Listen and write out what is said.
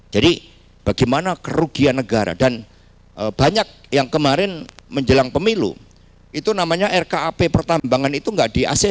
jadi bagaimana kerugian negara dan banyak yang kemarin menjelang pemilu itu namanya rkap pertambangan itu enggak di acc